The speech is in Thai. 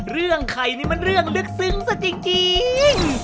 เรื่องใครมันเรื่องลึกซึ้งสักจริง